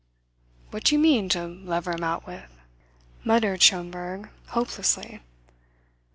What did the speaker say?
"What do you mean, to lever him out with?" muttered Schomberg hopelessly.